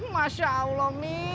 masya allah mi